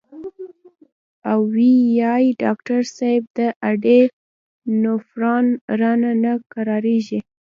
او وې ئې " ډاکټر صېب د اډې لوفران رانه نۀ قلاریږي